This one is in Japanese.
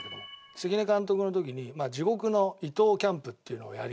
関根監督の時に地獄の伊東キャンプっていうのをやりまして。